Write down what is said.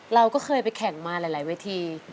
เราก็เคยไปแข่งมาหลายเวที